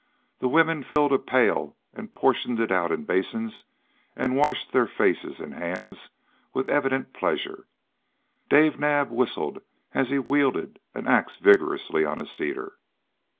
The women filled a pail and portioned it out in basins and washed their faces and hands with evident pleasure. Dave Naab whistled as he wielded an axe vigorously on a cedar.